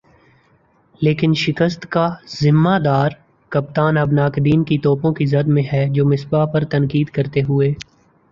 لیکن شکست کا "ذمہ دار" کپتان اب ناقدین کی توپوں کی زد میں ہے جو مصباح پر تنقید کرتے ہوئے